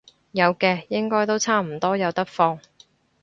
有嘅，應該都差唔多有得放